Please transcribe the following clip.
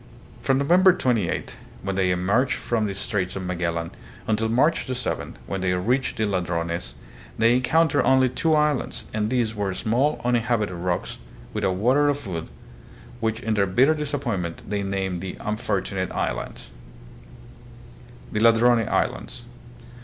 From November 28, when they emerged from the Straits of Magellan, until March 7, when they reached the Ladrones, they encountered only two islands, and these were small uninhabited rocks, without water or food, which in their bitter disappointment they named the Unfortu nate Islands. The Ladrone Islands.